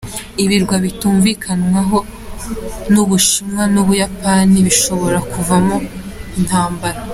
Ibirwa bitumvikanwaho n’u Bushinwa n’u Buyapani bishobora kuvamo intambara